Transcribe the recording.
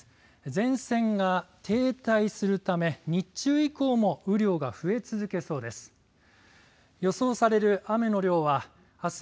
前線が停滞するため日中以降も雨量が増え続けそうです。